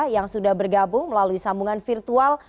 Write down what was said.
yang sudah bergabung melalui sambungan virtual